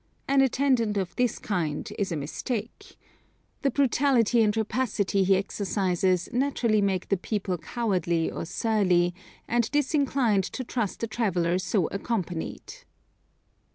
An attendant of this kind is a mistake. The brutality and rapacity he exercises naturally make the people cowardly or surly, and disinclined to trust a traveller so accompanied.